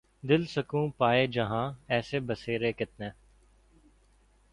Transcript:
دل سکوں پائے جہاں ایسے بسیرے کتنے